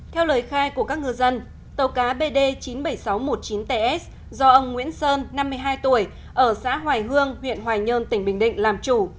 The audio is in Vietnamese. theo lời khai của các ngư dân tàu cá bd chín mươi bảy nghìn sáu trăm một mươi chín ts do ông nguyễn sơn năm mươi hai tuổi ở xã hoài hương huyện hoài nhơn tỉnh bình định làm chủ